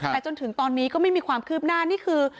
แต่จนถึงตอนนี้ก็ไม่มีความคืบหน้านี่คือ